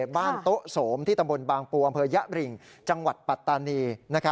บ้านโต๊ะโสมที่ตำบลบางปูอำเภอยะบริงจังหวัดปัตตานี